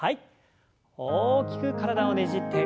大きく体をねじって。